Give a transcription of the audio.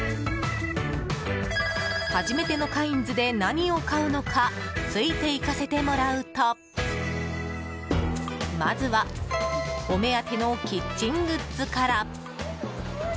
初めてのカインズで何を買うのかついていかせてもらうとまずはお目当てのキッチングッズから。